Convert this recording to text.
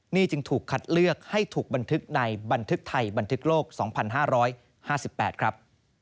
นี่จึงถูกคัดเลือกให้ถูกบันทึกในบันทึกไทยบันทึกโลก๒๕๕๘ครับ